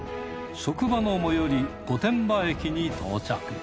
職場の最寄り・御殿場駅に到着。